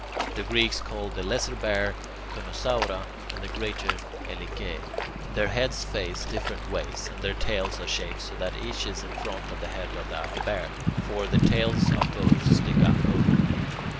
The Greeks call the Lesser Bear [Greek: kynosoura], and the Greater [Greek: elike]. Their heads face different ways, and their tails are shaped so that each is in front of the head of the other Bear; for the tails of both stick up over them.